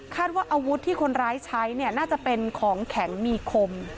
ว่าอาวุธที่คนร้ายใช้เนี่ยน่าจะเป็นของแข็งมีคม